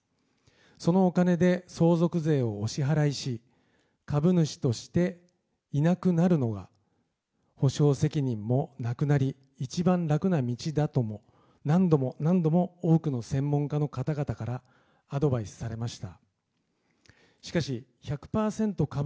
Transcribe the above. そのお金で相続税をお支払いし、株主としていなくなるのは補償責任もなくなり、一番楽な道だとも何度も何度も多くの専門家の方々からアドバイスされました。